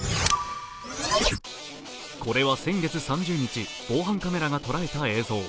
これは先月３０日防犯カメラが捉えた映像。